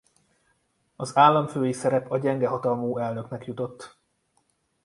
Az államfői szerep a gyenge hatalmú elnöknek jutott.